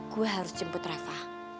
gue harus jemput rafa